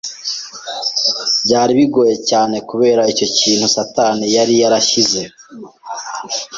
Byari bingoye cyane kubera icyo kintu satani yari yarashyize